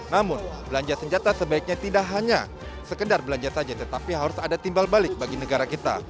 namun belanja senjata sebaiknya tidak hanya sekedar belanja saja tetapi harus ada timbal balik bagi negara kita